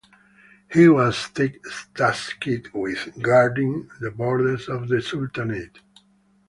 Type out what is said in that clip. He was tasked with guarding the borders of the Sultanate.